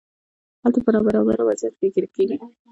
هلته په نابرابر وضعیت کې ګیر کیږي.